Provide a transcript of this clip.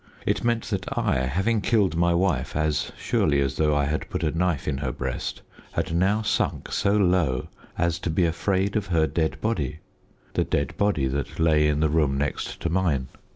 It meant that I, having killed my wife as surely as though I had put a knife in her breast, had now sunk so low as to be afraid of her dead body the dead body that lay in the room next to mine.